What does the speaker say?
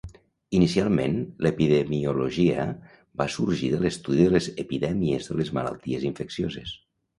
Inicialment l'epidemiologia va sorgir de l'estudi de les epidèmies de les malalties infeccioses.